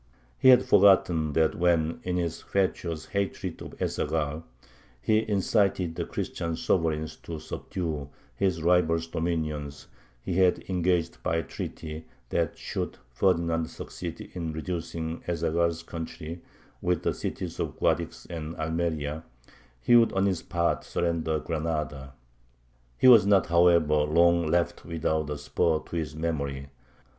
He had forgotten that when, in his fatuous hatred of Ez Zaghal, he incited the Christian sovereigns to subdue his rival's dominions, he had engaged by treaty that should Ferdinand succeed in reducing Ez Zaghal's country, with the cities of Guadix and Almeria, he would on his part surrender Granada. He was not, however, long left without a spur to his memory.